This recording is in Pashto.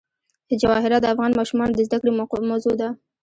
جواهرات د افغان ماشومانو د زده کړې موضوع ده.